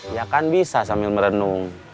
ya kan bisa sambil merenung